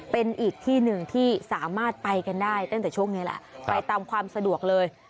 เป็นอีกที่หนึ่งที่สามารถไปกันได้ตั้งแต่ช่วงนี้แหละไปตามความสะดวกเลย